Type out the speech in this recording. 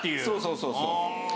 そうそうそうそう。